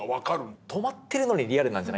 止まってるのにリアルなんじゃないんですね。